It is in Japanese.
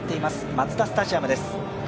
マツダスタジアムです。